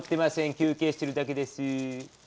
休けいしてるだけです。